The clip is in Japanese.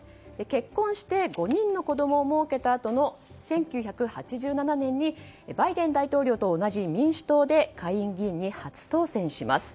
結婚して５人の子供をもうけたあとの１９８７年にバイデン大統領と同じ民主党で下院議員に初当選します。